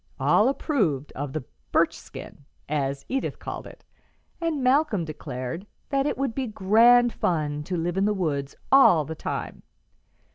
All approved of the "birchskin," as Edith called it, and Malcolm declared that "it would be grand fun to live in the woods all the time."